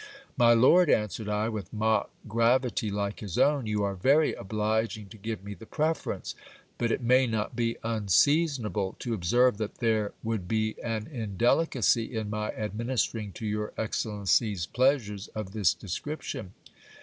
My lord, answered I with mock gravity like his own, you are very obliging to give me the preference ; but it may not be unseasonable to observe that there would be an indelicacy in my administering to your excellency's pleasures of this descrip tion.